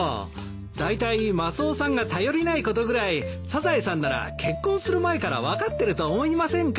だいたいマスオさんが頼りないことぐらいサザエさんなら結婚する前から分かってると思いませんか？